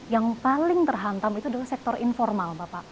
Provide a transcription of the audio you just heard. yang paling terhantam adalah sektor informal